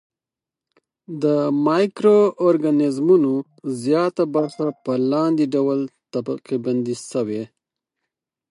د مایکرو ارګانیزمونو زیاته برخه په لاندې ډول طبقه بندي شوې.